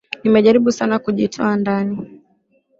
nimejaribu sana kujitoa ndani